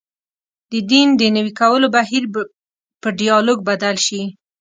د دین د نوي کولو بهیر په ډیالوګ بدل شي.